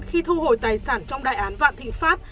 khi thu hồi tài sản trong đại án vạn thịnh pháp